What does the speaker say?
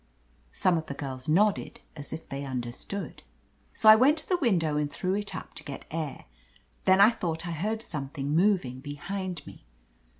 Some of the girls nodded as if they under stood. "So I went to the window and threw it up to get air. Then I thought I heard something moving behind me.